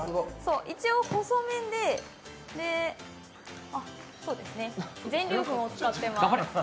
一応、細麺で全粒粉を使っています